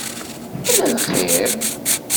Ala lxir.